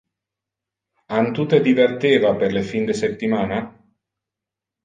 An tu te diverteva per le fin de septimana?